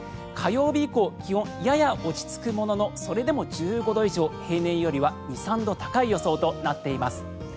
火曜日以降気温やや落ち着くもののそれでも１５度以上平年よりは２３度高い予想となっています。